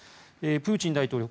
プーチン大統領